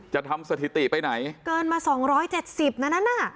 จะทำสถิติไปไหนเกินมาสองร้อยเจ็ดสิบนานาน่ะ